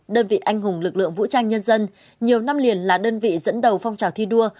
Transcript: đơn vị anh hùng lực lượng vũ trang nhân dân nhiều năm liền là đơn vị dẫn đầu phong trào thi đua